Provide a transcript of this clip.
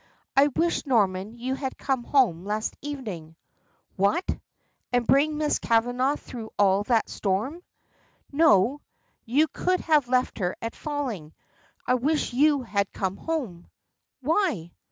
"I wish, Norman, you had come home last evening." "What! and bring Miss Kavanagh through all that storm!" "No, you could have left her at Falling. I wish you had come home." "Why?"